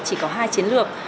thì có hai chiến lược